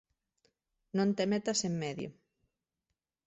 non te metas en medio.